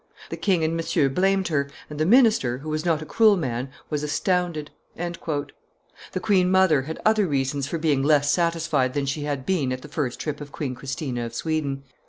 The king and Monsieur blamed her, and the minister, who was not a cruel man, was astounded." The queen mother had other reasons for being less satisfied than she had been at the first trip of Queen Christina of Sweden.